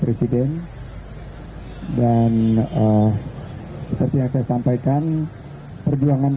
karena dia dipandang sama orang lain